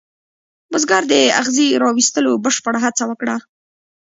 بزګر د اغزي را ویستلو بشپړه هڅه وکړه.